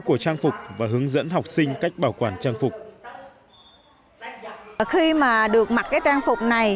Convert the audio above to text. của trang phục và hướng dẫn học sinh cách bảo quản trang phục khi mà được mặc cái trang phục này